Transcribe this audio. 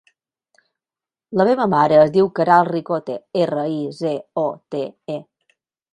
La meva mare es diu Queralt Ricote: erra, i, ce, o, te, e.